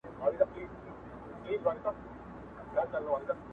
ارزښتونه سره مخ کېږي